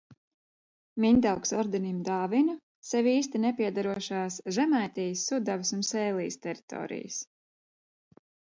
Mindaugs Ordenim dāvina sev īsti nepiederošās Žemaitijas, Sudavas un Sēlijas teritorijas.